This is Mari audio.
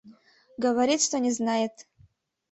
Говорит, что не знает.